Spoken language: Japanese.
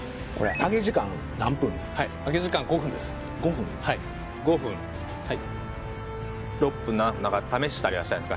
揚げ時間５分です